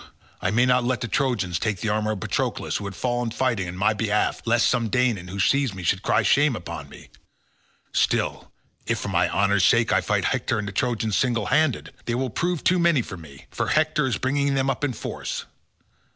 I may not let the Trojans take the armour of Patroclus who has fallen fighting on my behalf, lest some Danaan who sees me should cry shame upon me. Still if for my honour's sake I fight Hector and the Trojans single handed, they will prove too many for me, for Hector is bringing them up in force.